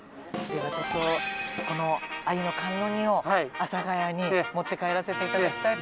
ではちょっとこの鮎の甘露煮を阿佐ヶ谷に持って帰らせて頂きたいと思います。